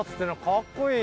かっこいい。